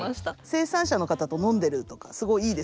生産者の方と飲んでるとかすごいいいですよね。